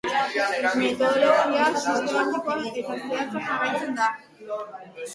Metodologia sistematikoa eta zehatza jarraitzen da.